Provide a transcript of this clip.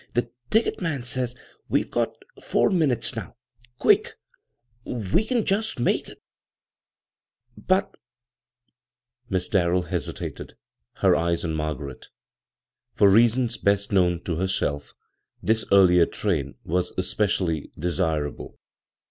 The ticket man says we've got four minutes now. Quick — we can just make itl" "But " Miss Darrell hesitated, her eyes on Margaret. For reasons best known to herself this earlier train was specially de simble.